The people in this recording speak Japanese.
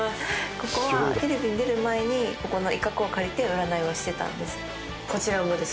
テレビに出る前にここの一角を借りて占いをしてたんです。